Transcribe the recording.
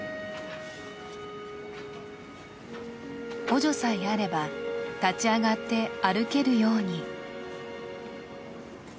補助さえあれば立ち上がって歩けるように。